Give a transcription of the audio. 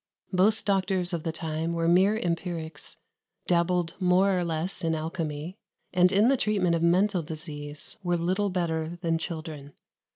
Most doctors of the time were mere empirics; dabbled more or less in alchemy; and, in the treatment of mental disease, were little better than children.